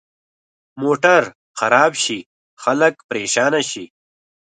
موټر خراب شي، خلک پرېشانه شي.